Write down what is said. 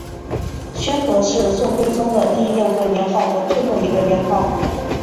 宣和是宋徽宗的第六个年号和最后一个年号。